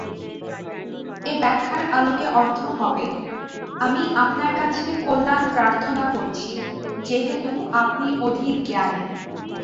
এ ব্যাখ্যার আলোকে অর্থ হবে, ‘আমি আপনার কাছে কল্যাণ প্রার্থনা করছি; যেহেতু আপনি অধিক জ্ঞানী’।